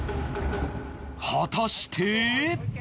果たして